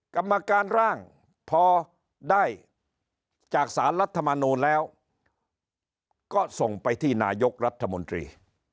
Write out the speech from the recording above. กรรมการร่างพอได้จากสารรัฐมนูลแล้วก็ส่งไปที่นายกรัฐมนตรี